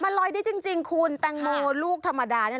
มันลอยได้จริงคุณแตงโมลูกธรรมดาเนี่ย